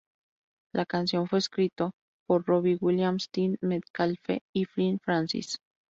La canción fue escrito por Robbie Williams, Tim Metcalfe y Flynn Francis.